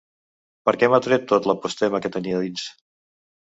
Perquè m’ha tret tot l'apostema que tenia dins.